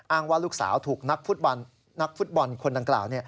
อ้างว่าลูกสาวถูกนักฟุตบอลคนดังกล่าว